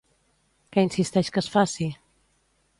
Què insisteix que es faci?